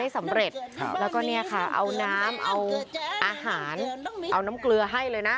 สำเร็จแล้วก็เนี่ยค่ะเอาน้ำเอาอาหารเอาน้ำเกลือให้เลยนะ